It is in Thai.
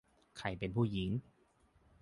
ใครเป็นผู้หญิง ?